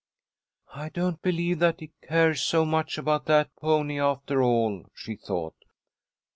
"I don't believe that he cares so much about that pony after all," she thought.